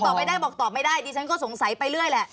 ไม่ได้บอกตอบไม่ได้ดิฉันก็สงสัยไปเรื่อยแหละ